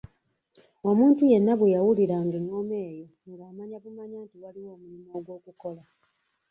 Omuntu yenna bwe yawuliranga engoma eyo ng'amanya bumanya nti waliwo omulimu ogw'okukola.